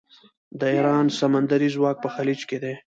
د ایران سمندري ځواک په خلیج کې دی.